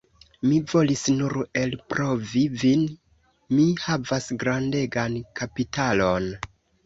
Mi volis nur elprovi vin, mi havas grandegan kapitalon!